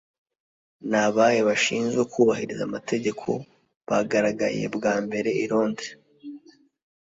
Ni abahe bashinzwe kubahiriza amategeko bagaragaye bwa mbere i Londres